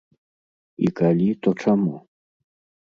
І калі, то чаму?